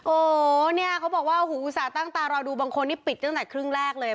โอ้โหเนี่ยเขาบอกว่าหูอุตส่าห์ตั้งตารอดูบางคนนี่ปิดตั้งแต่ครึ่งแรกเลย